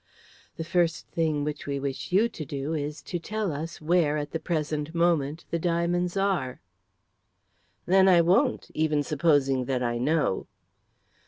The first thing which we wish you to do is to tell us where, at the present moment, the diamonds are?" "Then I won't, even supposing that I know!"